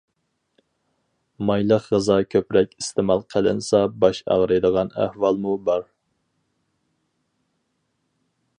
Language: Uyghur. مايلىق غىزا كۆپرەك ئىستېمال قىلىنسا باش ئاغرىيدىغان ئەھۋالمۇ بار.